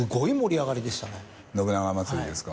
信長まつりですか？